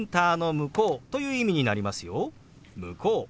「向こう」。